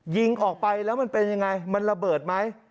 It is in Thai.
ยิงออกไปแล้วมันเป็นยังไงมันระเบิดไหม